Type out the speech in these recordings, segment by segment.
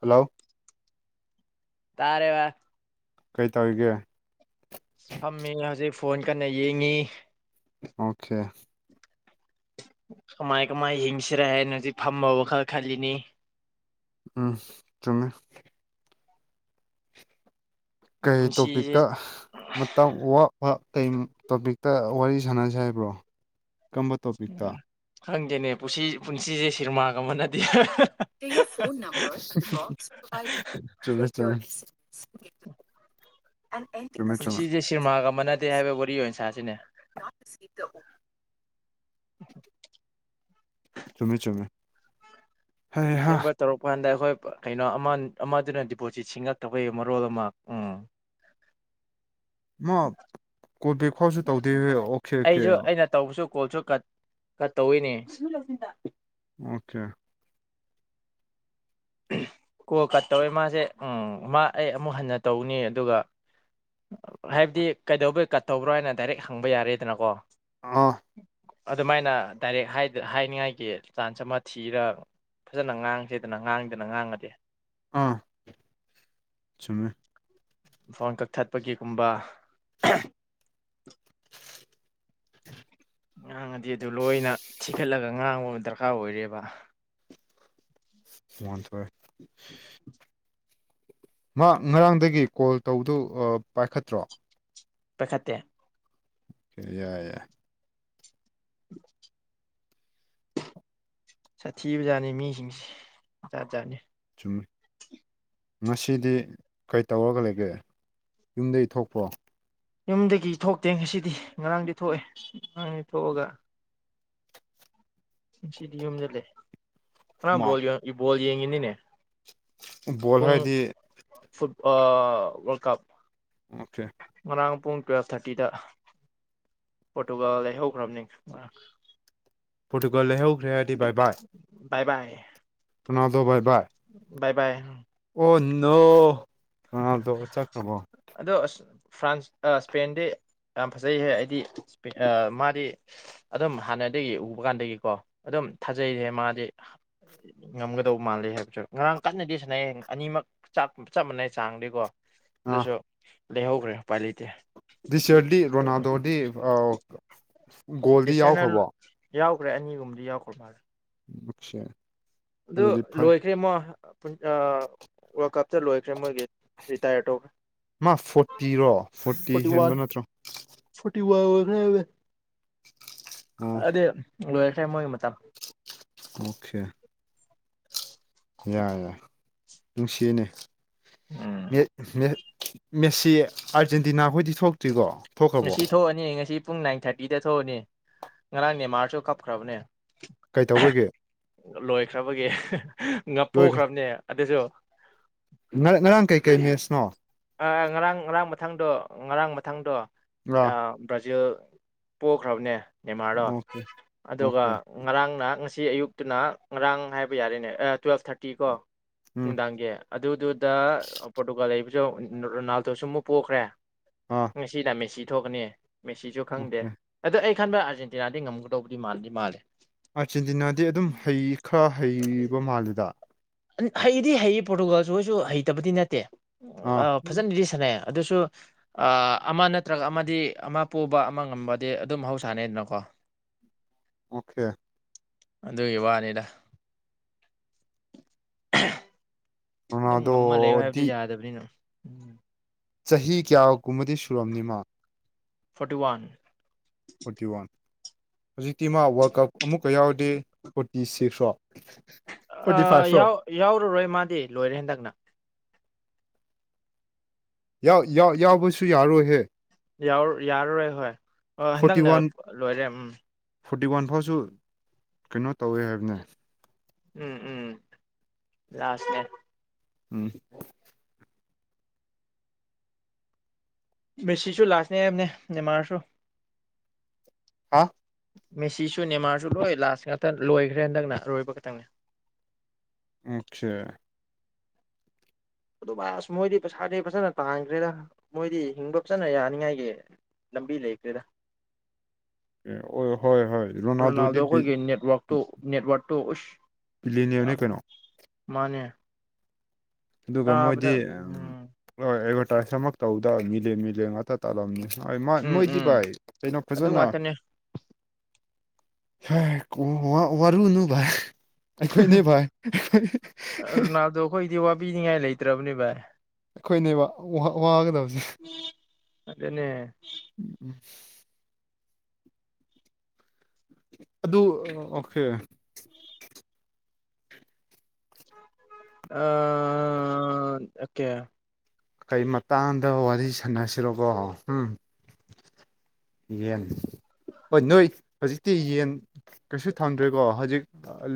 ꯍꯜꯂꯣꯑꯣ ꯇꯥꯔꯦꯕꯑꯥ ꯀꯩꯇꯧꯋꯤꯒꯦ ꯐꯝꯃꯤ ꯍꯧꯖꯤꯛ ꯐꯣꯟ ꯀꯟꯅ ꯌꯦꯡꯉꯤ ꯑꯣꯀꯦ ꯀꯃꯥꯏ ꯀꯃꯥꯏ ꯌꯦꯡꯁꯤꯔ ꯍꯥꯏꯅ ꯍꯧꯖꯤꯛ ꯐꯝꯃ ꯋꯥꯈꯜ ꯈꯜꯂꯤꯅꯤ ꯎꯝ ꯆꯨꯝꯃꯦ ꯀꯩ ꯄꯨꯟꯁꯤꯁꯦ ꯇꯣꯄꯤꯛꯇ ꯃꯇꯥꯡ ꯋꯥꯕ ꯀꯩ ꯇꯣꯄꯤꯛꯇ ꯋꯥꯔꯤ ꯁꯥꯟꯅꯁꯤ ꯍꯥꯏꯕ꯭ꯔꯣ ꯀꯔꯝꯕ ꯇꯣꯄꯤꯛꯇ ꯈꯪꯗꯦꯅꯦ ꯄꯨꯁꯤ ꯄꯨꯟꯁꯤꯁꯦ ꯁꯤꯔꯃꯥꯒ ꯃꯥꯟꯅꯗꯦ [unintelligible] ꯆꯨꯝꯃꯦ ꯆꯨꯝꯃꯦ [inaudible] ꯆꯨꯝꯃꯦ ꯆꯨꯝꯃꯦ ꯄꯨꯟꯁꯤꯁꯦ ꯁꯤꯔꯃꯥꯒ ꯃꯥꯟꯅꯗꯦ ꯍꯥꯏꯕ ꯋꯥꯔꯤ ꯑꯣꯏ ꯁꯥꯁꯤꯅꯦ [unintelligible] ꯆꯨꯝꯃꯦ ꯆꯨꯝꯃꯦ ꯍꯩꯍꯥ ꯁꯦꯝꯕ ꯇꯧꯔꯛꯄꯀꯥꯟꯗ ꯑꯈꯣꯏ ꯀꯩꯅꯣ ꯑꯃ ꯑꯃꯗꯨꯅ ꯗꯤꯄꯣꯖꯤꯠ ꯁꯤꯡꯉꯛꯇꯕꯩ ꯃꯔꯣꯜ ꯑꯃ ꯎꯝ ꯃꯥ ꯀꯣꯜ ꯕꯦꯛ ꯐꯥꯎꯁꯨ ꯇꯧꯗꯦ ꯑꯣꯀꯦ ꯑꯣꯀꯦ ꯑꯩꯖꯨ ꯑꯩꯅ ꯇꯧꯕꯁꯨ ꯀꯣꯜꯁꯨ ꯀꯠ ꯀꯠ ꯇꯧꯋꯦꯅꯦ ꯑꯣꯀꯦ ꯀꯣꯜ ꯀꯠ ꯇꯧꯋꯦ ꯃꯥꯁꯦ ꯎꯝ ꯃꯥ ꯑꯩ ꯑꯃꯨꯛ ꯍꯟꯅ ꯇꯧꯅꯤ ꯑꯗꯨꯒ ꯍꯥꯏꯕꯗꯤ ꯀꯩꯗꯧꯕꯩ ꯀꯠ ꯇꯧꯕ꯭ꯔꯣ ꯍꯥꯏꯅ ꯗꯥꯏꯔꯦꯛ ꯍꯪꯕ ꯌꯥꯔꯦꯗꯅꯀꯣ ꯑꯥ ꯑꯗꯨꯃꯥꯏꯅ ꯗꯥꯏꯔꯦꯛ ꯍꯥꯢ ꯍꯥꯏꯅꯤꯡꯉꯥꯏꯒꯤ ꯆꯥꯟꯁ ꯑꯃ ꯊꯤꯔ ꯐꯖꯅ ꯉꯥꯡꯁꯦꯗꯅ ꯉꯥꯡꯗꯅ ꯉꯥꯡꯉꯗꯤ ꯑꯥ ꯆꯨꯝꯃꯦ ꯐꯣꯟ ꯀꯛꯊꯠꯄꯒꯤꯒꯨꯝꯕ ꯉꯥꯡꯉꯗꯤ ꯑꯗꯨ ꯂꯣꯏꯅ ꯊꯤꯈꯠꯂꯒ ꯉꯥꯡꯕ ꯃ ꯗꯔꯀꯥꯔ ꯑꯣꯏꯔꯦꯕ ꯃꯣꯟꯊꯣꯑꯦ ꯃꯥ ꯉꯔꯥꯡꯗꯒꯤ ꯀꯣꯜ ꯇꯧꯕꯗꯨ ꯄꯥꯏꯈꯠꯇ꯭ꯔꯣ ꯄꯥꯏꯈꯠꯇꯦ [unintelligible] [inaudible] ꯁꯥꯊꯤꯕꯖꯥꯠꯅꯤ ꯃꯤꯁꯤꯡꯁꯦ ꯖꯥꯠꯖꯥꯠꯅꯦ ꯆꯨꯝꯃꯦ ꯉꯁꯤꯗꯤ ꯀꯩ ꯇꯧꯔꯒ ꯂꯩꯒꯦ ꯌꯨꯝꯗꯩ ꯊꯣꯛꯄ꯭ꯔꯣ ꯌꯨꯝꯗꯒꯤ ꯊꯣꯛꯇꯦ ꯉꯁꯤꯗꯤ ꯉꯔꯥꯡꯗꯤ ꯊꯣꯛꯑꯦ ꯉꯔꯥꯡꯗꯤ ꯊꯣꯛꯑꯒ ꯉꯁꯤꯗꯤ ꯌꯨꯝꯗ ꯂꯩ ꯉꯔꯥꯡ ꯃꯥ ꯕꯣꯜ ꯌꯦ ꯕꯣꯜ ꯌꯦꯡꯉꯤꯅꯤꯅꯦ ꯕꯣꯜ ꯍꯥꯏꯗꯤ ꯑ ꯋꯥꯔꯜ ꯀꯞ ꯑꯣꯀꯦ ꯉꯔꯥꯡ ꯄꯨꯡ ꯇ꯭ꯌꯦꯜꯞ ꯊꯥꯔꯇꯤꯗ ꯄꯣꯔꯇꯨꯒꯜ ꯂꯩ ꯍꯧꯈ꯭ꯔꯝꯅꯦ ꯉꯔꯥꯡ ꯗꯨꯒ ꯂꯩꯍꯧꯈ꯭ꯔꯦ ꯕꯥꯏ ꯕꯥꯏ ꯕꯥꯏ ꯕꯥꯏ ꯔꯣꯅꯥꯜꯗꯣ ꯕꯥꯢ ꯕꯥꯏ ꯕꯥꯏ ꯕꯥꯏ ꯑꯣ ꯅꯣ ꯔꯣꯅꯥꯜꯗꯣ ꯆꯠꯈ꯭ꯔꯕꯣ ꯑꯗꯣ ꯑꯁ ꯐ꯭ꯔꯥꯟꯁ ꯑꯥ ꯁꯄꯦꯟꯗꯤ ꯌꯥꯝ ꯐꯖꯩꯍꯦ ꯑꯩꯗꯤ ꯑꯥ ꯃꯥꯗꯤ ꯑꯗꯨꯝ ꯍꯥꯟꯅꯗꯒꯤ ꯎꯕ ꯀꯥꯟꯗꯒꯤꯀꯣ ꯑꯗꯨꯝ ꯊꯥꯖꯩꯌꯦ ꯃꯥꯗꯤ ꯉꯝꯒꯗꯧ ꯃꯥꯜꯂꯦ ꯍꯥꯏꯕꯁꯨ ꯉꯔꯥꯡ ꯀꯟꯅꯗꯤ ꯁꯅꯩꯌꯦ ꯑꯅꯤꯃꯛ ꯆꯞ ꯃꯥꯟꯅꯩ ꯆꯥꯡꯗꯤꯀꯣ ꯑꯥ ꯑꯗꯨꯁꯨ ꯂꯩꯍꯧꯈ꯭ꯔꯦ ꯎꯄꯥꯏ ꯂꯩꯇꯦ ꯗꯤꯁ ꯏꯌꯔꯗꯤ ꯔꯣꯅꯥꯜꯗꯣꯗꯤ ꯒꯣꯜꯗꯤ ꯗꯤꯁꯅꯦꯜ ꯌꯥꯎꯈ꯭ꯔꯕꯣ ꯌꯥꯎꯈ꯭ꯔꯦ ꯑꯅꯤꯒꯨꯝꯕꯗꯤ ꯌꯥꯎꯈ꯭ꯔ ꯃꯥꯜꯂꯦ ꯑꯆꯥ ꯑꯗꯨ ꯂꯣꯏꯈ꯭ꯔꯦꯃꯣ ꯋꯥꯔꯜ ꯀꯞꯇ ꯂꯣꯏꯈ꯭ꯔꯦ ꯃꯣꯏꯒꯤ ꯔꯤꯇꯥꯌꯔ ꯇꯧꯈ꯭ꯔꯦ ꯄꯤꯔꯣ ꯐꯣꯔꯇꯤ ꯍꯦꯟꯕ ꯅꯠꯇ꯭ꯔꯣ ꯑꯣ ꯑꯗ ꯂꯣꯏꯈꯦ ꯃꯣꯏ ꯃꯇꯝ ꯑꯣꯀꯦ ꯌꯥꯏ ꯌꯥꯏ ꯅꯨꯡꯁꯤꯅꯦ ꯎꯝ ꯃꯦꯠ ꯃꯦꯠ ꯃꯦꯁꯤ ꯑꯥꯔꯖꯦꯟꯇꯤꯅꯥꯈꯣꯏꯗꯤ ꯊꯣꯛꯇ꯭ꯔꯤꯀꯣ ꯊꯣꯛꯈ꯭ꯔꯕꯣ ꯉꯁꯤ ꯊꯣꯛꯑꯅꯤ ꯉꯁꯤ ꯄꯨꯡ ꯅꯥꯏꯟ ꯊꯥꯔꯇꯤꯗ ꯊꯣꯛꯑꯅꯤ ꯉꯔꯥꯡ ꯅꯦꯃꯥꯔꯁꯨ ꯀꯞꯈ꯭ꯔꯕꯅꯦ ꯑꯥ ꯀꯩꯇꯧꯕꯒꯤ ꯂꯣꯏꯈ꯭ꯔꯕꯒꯤ ꯂꯣꯏꯈ꯭ꯔ ꯉꯥꯄꯣꯛꯈ꯭ꯔꯕꯅꯦ ꯑꯗꯨꯁꯨ ꯉꯔꯥꯡ ꯉꯔꯥꯡ ꯀꯩꯀꯩ ꯃꯦꯠꯁꯅꯣ ꯑꯥ ꯉꯔꯥꯡ ꯉꯔꯥꯡ ꯃꯊꯪꯗꯣ ꯉꯔꯥꯡ ꯃꯊꯪꯗꯣ ꯑꯥ ꯕ꯭ꯔꯥꯖꯤꯜ ꯄꯣꯛꯈ꯭ꯔꯕꯅꯦ ꯅꯦꯃꯥꯔꯗꯣ ꯑꯣꯀꯦ ꯑꯗꯨꯒ ꯑꯣꯀꯦ ꯉꯔꯥꯡ ꯅꯍ ꯉꯁꯤ ꯁꯤ ꯑꯌꯨꯛꯇꯅ ꯉꯔꯥꯡ ꯍꯥꯏꯕ ꯌꯥꯔꯦꯅꯦ ꯑꯥ ꯇꯨꯌꯦꯜꯞ ꯊꯥꯔꯇꯤ ꯀꯣ ꯎꯝ ꯅꯨꯡꯗꯥꯡꯒꯤ ꯑꯗꯨꯗꯨꯗ ꯄꯣꯔꯇꯨꯒꯥꯜ ꯂꯩꯕꯁꯨ ꯔꯣꯅꯥꯜꯗꯣꯁꯨ ꯑꯃꯨꯛ ꯄꯣꯛꯈ꯭ꯔꯦ ꯑꯥ ꯉꯁꯤꯗ ꯃꯦꯁꯤ ꯊꯣꯛꯀꯅꯤ ꯃꯦꯁꯤꯁꯨ ꯈꯪꯗꯦ ꯑꯣꯀꯦ ꯑꯗ ꯑꯩ ꯈꯟꯕ ꯑꯥꯔꯖꯦꯟꯇꯤꯅꯥꯗꯤ ꯉꯝꯒꯗꯧꯕꯗꯤ ꯃꯥꯜꯂꯗꯤ ꯃꯥꯜꯂꯦ ꯑꯥꯔꯖꯦꯟꯇꯤꯅꯥꯗꯤ ꯑꯗꯨꯝ ꯍꯩ ꯈꯔ ꯍꯩꯕ ꯃꯥꯜꯂꯤꯗ ꯍꯩꯗꯤ ꯍꯩ ꯄꯣꯔꯇꯨꯒꯥꯜꯁꯨ ꯑꯩꯁꯨ ꯍꯩꯇꯕꯗꯤ ꯅꯠꯇꯦ ꯑꯥ ꯐꯖꯅꯗꯤ ꯁꯥꯟꯅꯩ ꯑꯗꯨꯁꯨ ꯑꯃ ꯅꯠꯇ꯭ꯔꯒ ꯑꯃꯗꯤ ꯑꯃ ꯄꯨꯕ ꯑꯃ ꯉꯝꯕꯗꯤ ꯑꯗꯨꯝ ꯃꯍꯧꯁꯥꯅꯩꯗꯅꯀꯣ ꯑꯣꯀꯦ ꯑꯗꯨꯒꯤ ꯋꯥꯅꯤꯗ ꯑꯗꯨꯝ ꯉꯝꯃ ꯂꯩꯌꯣ ꯍꯥꯏꯕꯗꯤ ꯔꯣꯅꯥꯜꯗꯣꯗꯤ ꯌꯥꯗꯕꯅꯤꯅ ꯎꯝ ꯆꯍꯤ ꯀꯌꯥ ꯀꯨꯝꯃꯗꯤ ꯁꯨꯔꯝꯅꯤ ꯃꯥ ꯐꯣꯔꯇꯤ ꯋꯥꯟ ꯐꯣꯔꯇꯤ ꯋꯥꯟ ꯍꯧꯖꯤꯛꯇꯤ ꯃꯥ ꯋꯥꯔꯜ ꯀꯞ ꯑꯃꯨꯛꯀ ꯌꯥꯎꯗꯦ ꯐꯣꯔꯇꯤ ꯁꯤꯛꯁꯔꯣ ꯑꯥ ꯌꯥꯎꯔꯨꯔꯣꯏ ꯃꯥꯗꯤ ꯂꯣꯏꯔꯦ ꯍꯟꯗꯛꯅ ꯌꯥꯎ ꯌꯥꯎꯕꯁꯨ ꯌꯥꯔꯣꯏꯍꯦ ꯌꯥꯔꯔꯣꯏ ꯍꯣꯏ ꯐꯣꯔꯇꯤ ꯍꯟꯗꯛꯅ ꯋꯥꯟ ꯂꯣꯏꯔꯦ ꯎꯝ ꯐꯣꯔꯇꯤ ꯋꯥꯟ ꯐꯥꯎꯁꯨ ꯀꯩꯅꯣ ꯇꯧꯋꯦ ꯍꯥꯏꯕꯅꯦ ꯎꯝ ꯎꯝ ꯂꯥꯁꯅꯦ ꯎꯝ ꯃꯦꯁꯤꯁꯨ ꯂꯥꯛꯥꯁꯅꯦ ꯍꯥꯏꯕꯅꯦ ꯅꯦꯃꯥꯥꯔꯁꯨ ꯍꯥ ꯃꯦꯁꯤꯁꯨ ꯅꯤꯃꯥꯔꯁꯨ ꯂꯣꯏ ꯂꯥꯁ ꯉꯥꯛꯇ ꯂꯣꯏꯈ꯭ꯔꯦ ꯍꯟꯗꯛꯅ ꯂꯣꯏꯕ ꯈꯛꯇꯪꯅꯦ ꯑꯣꯈꯦ ꯑꯗꯨ ꯚꯥꯏ ꯑꯁ ꯃꯣꯏꯗꯤ ꯄꯩꯁꯥꯗꯤ ꯐꯖꯅ ꯇꯥꯟꯈ꯭ꯔꯦꯗ ꯃꯣꯏꯗꯤ ꯍꯤꯡꯕ ꯐꯖꯅ ꯌꯥꯅꯤꯡꯉꯥꯏꯒꯤ ꯂꯝꯕꯤ ꯂꯩꯈ꯭ꯔꯦꯗ ꯍꯣꯏ ꯍꯣꯏ ꯔꯣꯅꯥꯜꯗꯣꯗꯤ ꯕꯤ ꯇꯣ ꯑꯁ ꯕꯤꯂꯤꯅꯤꯌꯔꯅꯦ ꯀꯩꯅꯣ ꯃꯥꯅꯦ ꯗꯨꯒ ꯃꯣꯏꯗꯤ ꯇꯥꯕꯗ ꯎꯝ ꯑꯦꯗꯚꯔꯇꯥꯏꯁ ꯑꯃ ꯇꯧꯕꯗ ꯃꯤꯂꯤꯌꯟ ꯃꯤꯂꯤꯌꯟ ꯉꯥꯛꯇ ꯇꯥꯜꯂꯝꯅꯤ ꯍꯣꯏ ꯃꯥ ꯎꯝ ꯃꯣꯏꯗꯤ ꯎꯝ ꯚꯥꯏ ꯀꯩꯅꯣ ꯑꯗꯨ ꯐꯖꯅ ꯉꯥꯛꯇꯅꯦ [unintelligible] ꯋꯥꯔꯨꯅꯨ ꯚꯥꯏ ꯑꯩꯈꯣꯏꯅꯦ ꯚꯥꯏ ꯄꯤꯅꯤꯡꯉꯥꯏ ꯂꯩꯇ꯭ꯔꯕꯅꯦ ꯚꯥꯏ ꯈꯣꯏꯅꯦꯕ ꯋꯥ ꯋꯥꯒꯗꯕꯁꯦ ꯑꯗꯨꯅꯦ ꯎꯝ ꯎꯝ ꯑꯗꯨ ꯑꯣꯀꯦ [inaudible] ꯑ ꯑꯣꯀꯦ ꯀꯩ ꯃꯇꯥꯡꯗ ꯋꯥꯔꯤ ꯁꯥꯟꯅꯁꯤꯔꯣꯀꯣ ꯎꯝ ꯌꯦꯟ ꯍꯣꯏ ꯅꯣꯏ ꯍꯧꯖꯤꯛꯇꯤ ꯌꯦꯟ ꯀꯩꯁꯨ ꯊꯝꯗ꯭ꯔꯦꯀꯣ ꯍꯧꯖꯤꯛ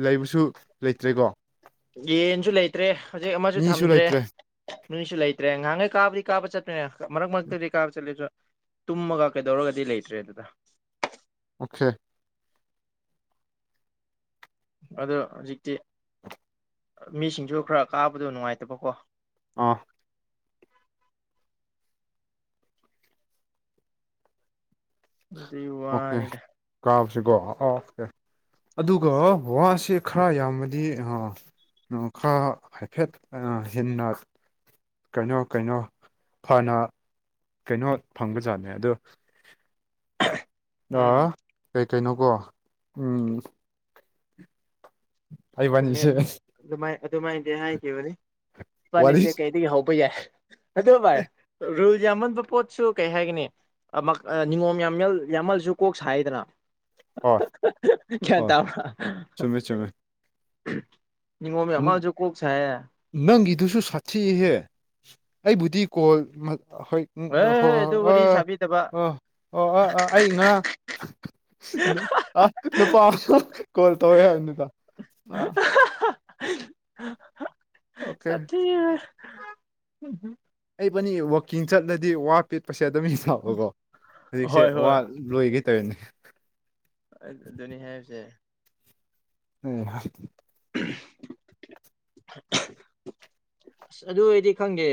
ꯂꯩꯕꯁꯨ ꯂꯩꯇ꯭ꯔꯦ [unintelligible] ꯌꯦꯟꯁꯨ ꯂꯩꯇ꯭ꯔꯦ ꯍꯧꯖꯤꯛ ꯑꯃꯁꯨ ꯃꯤꯁꯨ ꯊꯝꯗ꯭ꯔꯦ ꯂꯩꯇ꯭ꯔꯦ ꯃꯤꯁꯨ ꯂꯩꯇ꯭ꯔꯦ ꯉꯍꯥꯟꯉꯩ ꯀꯥꯕꯗꯤ ꯀꯥꯕ ꯆꯠꯄꯅꯦ ꯃꯔꯛ ꯃꯔꯛꯇꯗꯤ ꯀꯥꯕ ꯆꯠꯂꯦꯖꯨ ꯇꯨꯝꯃꯒ ꯀꯩꯗꯧꯔꯒꯗꯤ ꯂꯩꯇ꯭ꯔꯦ ꯑꯗꯨꯗ ꯀꯦ ꯑꯗꯣ ꯍꯧꯖꯤꯛꯇꯤ ꯃꯤꯁꯤꯡꯁꯨ ꯈꯔ ꯀꯥꯕꯗꯣ ꯅꯨꯡꯉꯥꯏꯇꯕꯀꯣ ꯑꯥ ꯗꯨꯢ ꯋꯥꯅꯤꯗ ꯖꯤꯒꯣ ꯑꯥ ꯑꯣꯀꯦ ꯑꯗꯨꯒ ꯋꯥꯁꯦ ꯈꯔ ꯌꯥꯝꯃꯗꯤ ꯑꯥ ꯅꯣ ꯈꯔ ꯍꯥꯏꯐꯦꯠ ꯑꯦꯅ ꯍꯦꯟꯅ ꯀꯩꯅꯣ ꯀꯩꯅꯣ ꯐꯅ ꯀꯩꯅꯣ ꯐꯪꯕꯖꯥꯠꯅꯦ ꯑꯗꯨ ꯎꯝ ꯀꯩ ꯀꯩꯅꯣꯀꯣ ꯎꯝ ꯑꯩꯕꯥꯟꯅꯤꯁꯦ ꯑꯗꯨꯃꯥꯏꯗꯤ ꯍꯥꯏꯈꯤꯕꯅꯤ ꯋꯥꯔꯤ ꯏꯕꯥꯅꯤꯁꯦ ꯀꯩꯗꯒꯤ ꯍꯧꯕ ꯌꯥꯏ ꯑꯗꯨ ꯚꯥꯏ ꯔꯨꯜ ꯌꯥꯝꯃꯟꯕ ꯄꯣꯠꯁꯨ ꯀꯩ ꯍꯥꯏꯒꯅꯤ ꯑꯃ ꯅꯤꯉꯣꯝ ꯌꯥꯝꯃꯦꯜ ꯌꯥꯝꯃꯜꯂꯁꯨ ꯀꯣꯛ ꯁꯥꯏꯗꯅ ꯍꯣꯏ ꯒ꯭ꯌꯥꯟ ꯍꯣꯏ ꯇꯥꯕ꯭ꯔꯥ ꯆꯨꯝꯃꯦ ꯆꯨꯝꯃꯦ ꯅꯤꯉꯣꯝ ꯎꯝ ꯌꯥꯝꯃꯜꯁꯨ ꯀꯣꯛ ꯁꯥꯏꯌꯦ ꯅꯪꯒꯤꯗꯨꯁꯨ ꯁꯥꯠꯊꯤꯍꯦ ꯑꯩꯕꯨꯗꯤ ꯀꯣꯜ ꯃꯠ ꯍꯣꯏ [unintelligible] ꯑꯣ ꯍꯦꯍꯦ ꯑꯗꯨ ꯋꯥꯔꯤ ꯁꯥꯕꯤꯗꯕ ꯑꯣ ꯑ ꯑ ꯑꯩ ꯉꯔꯥꯡ ꯑ ꯅꯨꯄꯥ ꯑꯃ ꯀꯣꯜ ꯇꯧꯋꯦ ꯅꯨꯗꯥ [unintelligible] ꯑꯣꯀꯦ ꯁꯥꯊꯤꯍꯦ ꯏꯕꯥꯅꯤ ꯋꯥꯛꯀꯤꯡ ꯆꯠꯂꯗꯤ ꯋꯥ ꯄꯦꯠꯄꯁꯦ ꯑꯗꯨꯝ ꯌꯥꯕꯀꯣ ꯍꯧꯖꯤꯛꯁꯦ ꯍꯣꯏ ꯋꯥ ꯍꯣꯏ ꯂꯣꯏꯒꯦ ꯇꯩꯅꯦ ꯑꯗꯨꯅꯤ ꯍꯥꯏꯕꯁꯦ ꯑꯩꯍꯥ ꯑꯁ ꯑꯗꯨ ꯑꯩꯗꯤ ꯈꯪꯗꯦ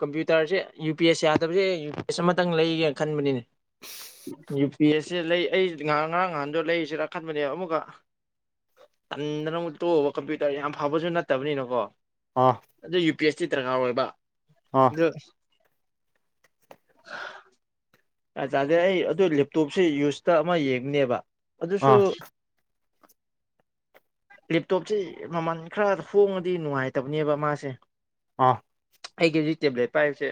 ꯀꯝꯄ꯭ꯌꯨꯇꯔꯁꯦ ꯌꯨ ꯄꯤ ꯑꯦꯁ ꯌꯥꯗꯕꯁꯦ ꯌꯨ ꯄꯤꯁ ꯑꯃꯇꯪ ꯂꯩꯒꯦꯅ ꯈꯟꯕꯅꯦ ꯅꯦ ꯌꯨ ꯄꯤ ꯑꯦꯁꯁꯦ ꯂꯩ ꯑꯩ ꯉ ꯉꯔꯥꯡ ꯅꯍꯥꯟꯗꯣ ꯂꯩꯁꯤꯔ ꯈꯟꯕꯅꯦ ꯑꯃꯨꯛꯀ ꯇꯟꯗꯅ ꯑꯃꯨꯛ ꯇꯣꯛꯑꯕ ꯀꯝꯄ꯭ꯌꯨꯇꯔ ꯌꯥꯝ ꯐꯕꯁꯨ ꯅꯠꯇꯕꯅꯤꯅꯀꯣ ꯑꯥ ꯑꯗꯨ ꯌꯨ ꯄꯤ ꯑꯦꯁ ꯇꯤ ꯗꯔꯀꯥꯔ ꯑꯣꯏꯕ ꯑꯥ ꯑꯗꯨ [unintelligible] ꯖꯥꯠ ꯖꯥꯠꯅꯦ ꯑꯩ ꯑꯗꯨ ꯂꯦꯞꯇꯣꯞꯁꯦ ꯌꯨꯁꯇ ꯑꯃ ꯌꯦꯡꯅꯦꯕ ꯑꯗꯨꯁꯨ ꯑꯥ [inaudible] ꯂꯦꯞꯇꯣꯞꯁꯦ ꯃꯃꯜ ꯈꯔ ꯍꯣꯡꯉꯗꯤ ꯅꯨꯡꯉꯥꯏꯇꯕꯅꯦꯕ ꯃꯥꯁꯦ ꯑꯥ ꯑꯩꯒꯤ ꯍꯨꯖꯤꯛ ꯇꯦꯕ꯭ꯂꯦꯠ ꯄꯥꯏꯔꯤꯁꯦ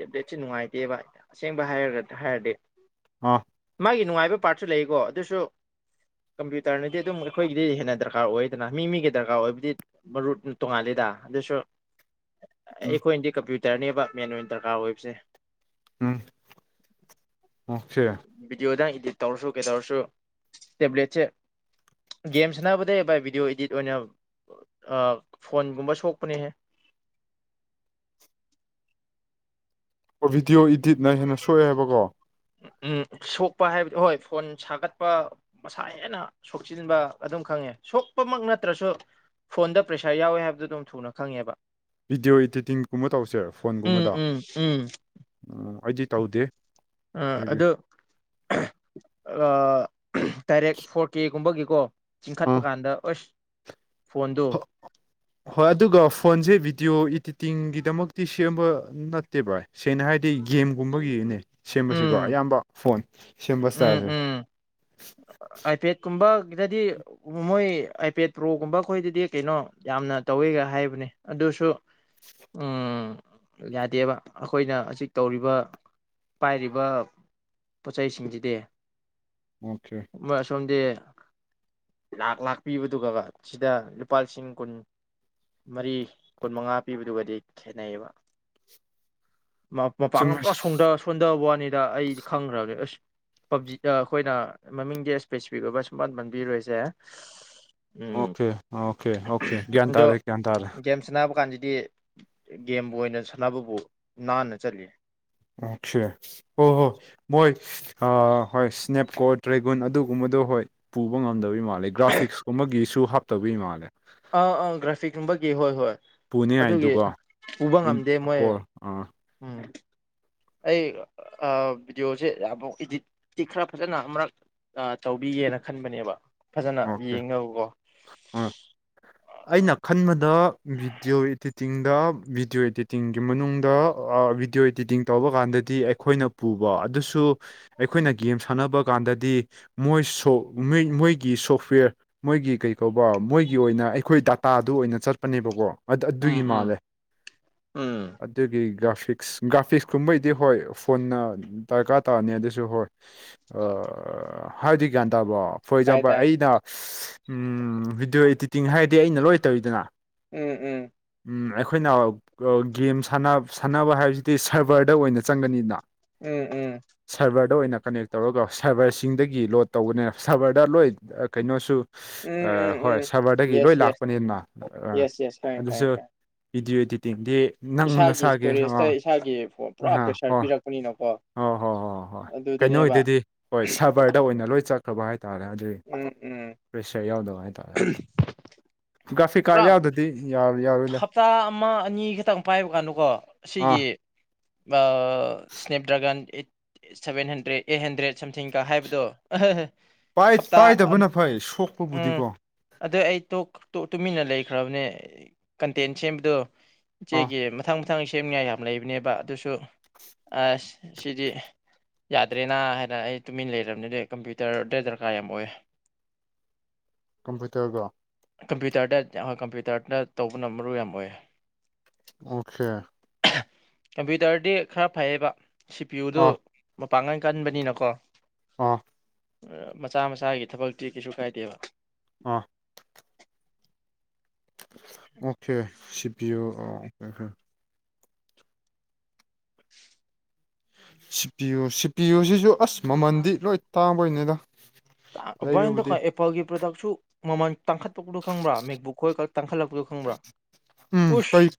ꯇꯦꯕ꯭ꯂꯦꯠꯁꯦ ꯅꯨꯡꯉꯥꯏꯇꯦꯕ ꯑꯁꯦꯡꯕ ꯍꯥꯏꯔꯒ ꯍꯥꯏꯔꯗꯤ ꯑꯥ ꯃꯥꯒꯤ ꯅꯨꯡꯉꯥꯏꯕ ꯄꯥꯔꯠꯁꯨ ꯂꯩꯀꯣ ꯑꯗꯨꯁꯨ ꯀꯝꯄ꯭ꯌꯨꯇꯔꯅꯗꯤ ꯑꯗꯨꯝ ꯑꯩꯈꯣꯏꯒꯤꯗꯤ ꯍꯦꯟꯅ ꯗꯔꯀꯥꯔ ꯑꯣꯏꯗꯅ ꯃꯤ ꯃꯤꯒꯤ ꯗꯔꯀꯥꯔ ꯑꯣꯏꯕꯗꯤ ꯃꯔꯨꯠ ꯇꯣꯉꯥꯜꯂꯦ ꯗꯥ ꯑꯗꯨꯁꯨ [unintelligible] ꯎꯝ ꯑꯩꯈꯣꯏꯅꯗꯤ ꯀꯝꯄ꯭ꯌꯨꯇꯔꯅꯦꯕ ꯃꯦꯟ ꯑꯣꯏ ꯗꯔꯀꯥꯔ ꯑꯣꯏꯕꯁꯦ ꯎꯝ ꯑꯣꯀꯦ ꯕꯤꯗꯤꯑꯣꯗ ꯏ ꯗꯤꯠ ꯇꯧꯔꯁꯨ ꯀꯩꯗꯧꯔꯁꯨ ꯇꯦꯕ꯭ꯂꯦꯠꯁꯦ ꯒꯦꯝ ꯁꯥꯟꯅꯕꯗꯩ ꯚꯥꯏ ꯚꯤꯗꯤꯑꯣ ꯏꯗꯤꯠ ꯑꯣꯏꯅ ꯐꯣꯟꯒꯨꯝꯕ ꯁꯣꯛꯄꯅꯦꯍꯦ [unintelligible] ꯑꯣ ꯚꯤꯗꯤꯑꯣ ꯏꯗꯤꯠꯅ ꯍꯦꯟꯅ ꯁꯣꯛꯑꯦ ꯍꯥꯏꯕꯀꯣ ꯎꯝ ꯁꯣꯛꯄ ꯍꯥꯏꯕꯗꯤ ꯍꯣꯏ ꯐꯣꯟ ꯁꯥꯒꯠꯄ ꯃꯁꯥ ꯍꯦꯟꯅ ꯁꯣꯛꯆꯤꯟꯕ ꯑꯗꯨꯝ ꯈꯛ ꯈꯪꯉꯦ ꯁꯣꯛꯄꯃꯛ ꯅꯠꯇ꯭ꯔꯁꯨ ꯐꯣꯟꯗ ꯄ꯭ꯔꯦꯁꯔ ꯌꯥꯎꯋꯦ ꯍꯥꯏꯕꯗꯨ ꯑꯗꯨꯝ ꯊꯨꯅ ꯈꯪꯉꯦꯕ ꯚꯤꯗꯤꯑꯣ ꯏꯗꯤꯇꯤꯡꯒꯨꯝꯕ ꯇꯧꯁꯦ ꯎꯝ ꯐꯣꯟꯒꯨꯝꯕꯗ ꯎꯝ ꯎꯝ ꯑꯩꯗꯤ ꯇꯧꯗꯦ ꯑꯥ ꯃꯣꯏꯒꯤ ꯑꯗꯨ ꯑꯥ ꯗꯥꯏꯔꯦꯛ ꯐꯣꯔ ꯀꯦꯒꯨꯝꯕꯒꯤ ꯀꯣ ꯆꯤꯡꯈꯠꯄ ꯀꯥꯟꯗ ꯑꯁ ꯐꯣꯟꯗꯣ ꯍ ꯍꯣꯏ ꯑꯗꯨꯒ ꯐꯣꯟꯁꯦ ꯚꯤꯗꯤꯑꯣ ꯏꯗꯤ ꯇꯤꯡꯒꯤꯗꯃꯛꯇꯤ ꯁꯦꯝꯕ ꯅꯠꯇꯦ ꯚꯥꯏ ꯁꯦꯡꯅ ꯍꯥꯏꯔꯗꯤ ꯒꯦꯝꯒꯨꯝꯕꯒꯤꯅꯦ ꯁꯦꯝꯕꯁꯤꯀꯣ ꯎꯝ ꯑꯌꯥ ꯌꯥꯝꯕ ꯐꯣꯟ ꯁꯦꯝꯕ ꯎꯝ ꯏꯁꯇꯥꯏꯜꯁꯦ ꯎꯝ ꯑꯥꯏꯄꯦꯗꯀꯨꯝꯕ ꯒꯤꯗꯗꯤ ꯃꯣꯏ ꯑꯥꯏꯄꯦꯗ ꯄ꯭ꯔꯣꯒꯨꯝꯕ ꯈꯣꯏꯗꯗꯤ ꯀꯩꯅꯣ ꯌꯥꯝꯅ ꯇꯧꯋꯦꯒ ꯍꯥꯏꯕꯅꯦ ꯑꯗꯨ ꯗꯨꯁꯨ ꯎꯝ ꯌꯥꯗꯦꯕ ꯑꯩꯈꯣꯏꯅ ꯍꯧꯖꯤꯛ ꯇꯧꯔꯤꯕ ꯄꯥꯏꯔꯤꯕ ꯄꯣꯠꯆꯩꯁꯤꯡꯁꯤꯗꯤ ꯑꯣꯀꯦ ꯗꯦ ꯂꯥꯛ ꯂꯥꯛꯄꯤꯕꯗꯨꯒ ꯁꯤꯗ ꯂꯨꯄꯥ ꯂꯤꯁꯤꯡ ꯀꯨꯟ ꯃꯔꯤ ꯀꯨꯟ ꯃꯉꯥ ꯄꯤꯕꯗꯨꯒꯗꯤ ꯈꯦꯠꯅꯩꯌꯦꯕ [unintelligible] ꯃ ꯃꯄꯥꯡꯒꯟ ꯆꯨꯝꯃꯦ ꯄꯨꯔꯥ ꯁꯣꯡꯁ ꯁꯣꯟꯗꯕ ꯋꯥꯅꯤꯗ ꯑꯩꯗꯤ ꯈꯪꯈ꯭ꯔꯕꯅꯦ ꯑꯁ ꯄꯕꯖꯤꯁ ꯑꯩꯈꯣꯏꯅ ꯃꯃꯤꯡꯗꯤ ꯏꯁ꯭ꯄꯦꯁꯤꯐꯤꯛ ꯑꯣꯏꯕ ꯁꯨꯄꯟ ꯄꯟꯕꯤꯔꯣꯏꯁꯦ ꯎꯝ ꯑꯣꯀꯦ ꯑꯣꯀꯦ ꯑꯣꯀꯦ ꯒ꯭ꯌꯥꯟ ꯑꯗꯣ ꯇꯥꯔꯦ ꯒ꯭ꯌꯥꯟ ꯇꯥꯔꯦ ꯒꯦꯝꯁꯅꯕ ꯀꯥꯟꯖꯤ ꯗꯤ ꯒꯦꯝꯕꯨ ꯑꯣꯏꯅ ꯁꯥꯟꯅꯕꯕꯨ ꯅꯥꯟꯅ ꯆꯠꯂꯤ ꯑꯣꯈꯦ ꯍꯣꯍꯣ ꯃꯣꯏ ꯑ ꯍꯣꯏ ꯁ꯭ꯅꯦꯞ ꯀꯣꯔꯠ ꯇ꯭ꯔꯦꯒꯨꯟ ꯑꯗꯨꯒꯨꯝꯕꯗꯣ ꯍꯣꯏ ꯄꯨꯕ ꯉꯝꯗꯕꯩꯒꯤ ꯃꯥ‌‍ꯜꯂꯦ ꯒ꯭ꯔꯥꯐꯤꯛꯁꯀꯨꯝꯕꯒꯤꯁꯨ ꯍꯞ ꯑꯥ ꯑꯥ ꯒ꯭ꯔꯥꯐꯤꯛꯀꯨꯝꯕꯒꯤ ꯍꯣꯏ ꯍꯣꯏ ꯑꯗꯨꯒꯤ ꯄꯨꯅꯤꯡꯉꯥꯏꯗꯨꯀꯣ ꯎꯕ ꯉꯝꯗꯦ ꯃꯣꯏ ꯀꯣ ꯑꯥ ꯎꯝ ꯑꯩ ꯚꯤꯗꯤꯑꯣꯁꯦ ꯑꯃꯛ ꯏꯗꯤꯠꯇꯤ ꯈꯔ ꯐꯖꯅ ꯑꯃꯨꯔꯛ ꯇꯧꯕꯤ ꯍꯦꯅ ꯈꯟꯕꯅꯦꯕ ꯐꯖꯅ ꯑꯣꯀꯦ ꯌꯦꯡꯅꯕꯀꯣ ꯑꯥ ꯑꯩꯅ ꯈꯟꯕꯗ ꯚꯤꯗꯤꯑꯣ ꯏꯗꯤꯇꯤꯡꯗ ꯚꯤꯗꯤꯑꯣ ꯏꯗꯤꯇꯤꯡꯒꯤ ꯃꯅꯨꯡꯗ ꯚꯤꯗꯤꯑꯣ ꯏꯗꯤꯇꯤꯡ ꯇꯧꯕ ꯀꯥꯟꯗꯗꯤ ꯑꯩꯈꯣꯏꯅ ꯄꯨꯕ ꯑꯗꯨꯁꯨ ꯑꯩꯈꯣꯏꯅ ꯒꯦꯝ ꯁꯥꯟꯅꯕ ꯀꯥꯟꯗ ꯗꯤ ꯃꯣꯏ ꯃꯣꯏꯒꯤ ꯁꯣꯐꯋꯦꯔ ꯃꯣꯏꯒꯤ ꯀꯩ ꯀꯧꯕ ꯃꯣꯏꯒꯤ ꯑꯣꯏꯅ [unintelligible] ꯑꯩꯈꯣꯏ ꯗꯥꯇꯥꯗꯨ ꯑꯣꯏꯅ ꯆꯠꯄꯅꯦꯕꯀꯣ ꯑꯗꯨ ꯎꯝ ꯑꯗꯨꯒꯤ ꯎꯝ ꯃꯥꯜꯂꯦ ꯎꯝ ꯑꯗꯨꯒꯤ ꯒ꯭ꯔꯐꯤ [unintelligible] ꯒ꯭ꯔꯥꯐꯤꯛꯁ ꯀꯨꯝꯕꯩꯗꯤ ꯍꯣꯏ ꯐꯣꯟꯅ ꯗꯔꯀꯥꯔ ꯇꯥꯔꯅꯤ ꯑꯗꯨꯁꯨ ꯍꯣꯏ ꯍꯥꯏꯕꯗꯤ ꯒ꯭ꯌꯥꯟ ꯇꯥꯕꯣ ꯐꯣꯔ ꯇꯥꯏ ꯑꯦꯛꯖꯥꯝꯄꯜ ꯇꯥꯏ ꯑꯩꯅ ꯎꯝ ꯚꯤꯗꯤꯑꯣ ꯏꯗꯤꯇꯤꯡ ꯍꯥꯏꯔꯗꯤ ꯑꯩꯅ ꯂꯣꯏ ꯇꯧꯔꯤꯗꯅ ꯎꯝ ꯎꯝ ꯑꯩꯈꯣꯏꯅ ꯒꯦꯝ ꯁꯥꯟꯅꯕ ꯍꯥꯏꯕꯁꯤꯗꯤ ꯁꯔꯕꯔꯗ ꯑꯣꯏꯅ ꯆꯪꯒꯅꯤꯗ ꯎꯝ ꯎꯝ ꯁꯤꯗ ꯑꯣꯏꯅ ꯀꯅꯦꯛ ꯇꯧꯔꯒ ꯁꯔꯕꯔꯁꯤꯡꯗꯒꯤ ꯂꯣꯗ ꯇꯧꯕꯅꯦ ꯁꯔꯕꯔꯗ ꯂꯣꯏ ꯀꯩꯅꯣꯁꯨ ꯎꯝ ꯎꯝ ꯍꯣꯏ ꯎꯝ ꯁꯔꯕꯔꯗꯒꯤ ꯂꯣꯏ ꯌꯦꯁ ꯌꯦꯁ ꯂꯥꯛꯄꯅꯤꯅ ꯑ ꯌꯦꯁ ꯌꯦꯁ ꯈꯪꯉꯦ ꯑꯗꯨꯁꯨ ꯈꯪꯉꯦ ꯈꯪꯉꯦ ꯚꯤꯗꯤꯑꯣ ꯏꯗꯤꯇꯤꯡꯗꯤ ꯅꯪ ꯃꯨꯟꯅ ꯏꯁꯥꯒꯤ ꯁꯥꯒꯦ ꯑ ꯏꯁꯇꯣꯔꯦꯖꯇ ꯏꯁꯥꯒꯤ ꯄꯨꯔꯥ ꯄ꯭ꯔꯦꯁꯔ ꯍꯣ [inaudible] [unintelligible] ꯄꯤꯔꯛꯄꯅꯤꯅꯀꯣ ꯑꯣ ꯍꯣꯏ ꯍꯣꯏ ꯍꯣꯏ ꯑꯗꯨꯗꯅꯦꯕ ꯀꯩꯅꯣꯗꯗꯤ ꯍꯣꯏ ꯁꯔꯕꯔꯗ ꯑꯣꯏꯅ ꯂꯣꯏ ꯆꯠꯈ꯭ꯔꯕ ꯍꯥꯏ ꯇꯥꯔꯦ ꯑꯗꯨ ꯎꯝ ꯎꯝ ꯄ꯭ꯔꯦꯁꯔ ꯌꯥꯎꯗꯕ ꯍꯥꯢꯇꯥꯔꯦ ꯒꯥꯐꯤ ꯀꯥꯠ ꯄꯨꯔꯥ ꯌꯥꯎꯗꯗꯤ ꯌꯥꯎ [unintelligible] ꯍꯞꯇꯥ ꯑꯃ ꯑꯅꯤ ꯈꯛꯇꯪ ꯄꯥꯏꯕ ꯀꯥꯟꯗꯀꯣ ꯑꯁꯤꯒꯤ ꯑꯥ snap dragon [inaudible] [unintelligible] seven hundred eight hundred ꯒ ꯁꯝꯊꯤꯡꯒ ꯍꯥꯏꯕꯗꯣ ꯑꯍꯍ ꯄꯥꯏ ꯍꯞꯇꯥ ꯄꯥꯏꯗꯕꯅ ꯐꯩ ꯎꯝ ꯁꯣꯛꯄꯕꯨꯗꯤꯀꯣ ꯑꯗꯨ ꯑꯩ ꯇꯣ ꯇꯨꯃꯤꯟꯅ ꯂꯩꯈ꯭ꯔꯕꯅꯦ ꯀꯟꯇꯦꯟ ꯁꯦꯝꯕꯗꯣ ꯑꯥ ꯏꯆꯦꯒꯤ ꯃꯊꯪ ꯃꯊꯪ ꯁꯦꯝꯅꯤꯡꯉꯥꯏ ꯌꯥꯝ ꯂꯩꯕꯅꯦꯕ ꯑꯗꯨꯁꯨ ꯑꯁ ꯁꯤꯗꯤ ꯌꯥꯗ꯭ꯔꯦꯅ ꯍꯥꯏꯅ ꯑꯩ ꯇꯨꯃꯤꯟ ꯂꯩꯔꯕꯅꯤ ꯑꯗꯨ ꯀꯝꯄ꯭ꯌꯨꯇꯔꯗꯤ ꯗꯔꯀꯥꯔ ꯌꯥꯝ ꯑꯣꯏ ꯀꯝꯄ꯭ꯌꯨꯇꯔꯒ ꯀꯝꯄ꯭ꯌꯨꯇꯔꯗ ꯀꯝꯄ꯭ꯌꯨꯇꯔꯗ ꯇꯧꯕꯅ ꯃꯔꯨ ꯌꯥꯝ ꯑꯣꯏ ꯑꯣꯀꯦ ꯀꯝꯄ꯭ꯌꯨꯇꯔꯗꯤ ꯈꯔ ꯐꯩꯌꯦꯕ ꯁꯤ ꯄꯤꯌꯨꯗꯨ ꯑꯥ ꯄꯥꯡꯒꯟ ꯀꯟꯕꯅꯤꯅꯀꯣ ꯑ ꯃꯆꯥ ꯃꯆꯥꯒꯤ ꯊꯕꯛꯇꯤ ꯀꯩꯁꯨ ꯀꯥꯏꯗꯦꯕ ꯑꯥ ꯑꯣꯀꯦ ꯁꯤ ꯄꯤꯌꯨ ꯁꯤ ꯄꯌꯨ ꯁꯤꯄꯤꯌꯨ ꯁꯤꯁꯨ ꯑꯁ ꯃꯃꯜꯗꯤ ꯂꯣꯏ ꯇꯥꯡꯕꯣꯏꯅꯤꯗ [unintelligible] ꯀꯩ ꯑꯦꯄꯜꯒꯤ ꯄ꯭ꯔꯗꯛꯁꯨ ꯃꯃꯥꯟ ꯇꯥꯡꯈꯠꯄꯛꯄꯗꯨ ꯈꯪꯕ꯭ꯔꯥ ꯃꯦꯛꯕꯨꯛ ꯈꯣꯏ ꯇꯥꯡꯈꯠꯂꯛꯄꯗꯨ ꯈꯪꯕ꯭ꯔꯥ ꯎꯝ ꯎꯁ ꯀꯩ